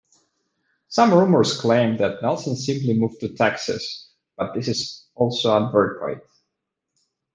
Some rumors claim that Nelson simply moved to Texas, but this is also unverified.